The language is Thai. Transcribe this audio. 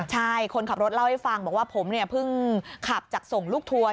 ใช่คนขับรถเล่าให้ฟังบอกว่าผมเนี่ยเพิ่งขับจากส่งลูกทัวร์